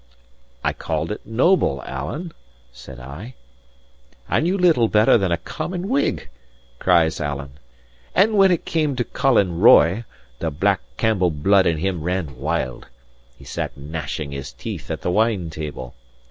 "I called it noble, Alan," said I. "And you little better than a common Whig!" cries Alan. "But when it came to Colin Roy, the black Campbell blood in him ran wild. He sat gnashing his teeth at the wine table.